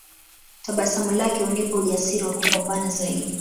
Tabasamu lake hunipa ujasiri wa kupambana zaidi